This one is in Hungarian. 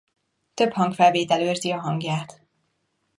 Több hangfelvétel őrzi a hangját.